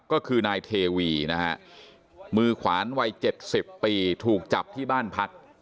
ก็คือนายเทวีนะฮะมือขวานวัย๗๐ปีถูกจับที่บ้านพัก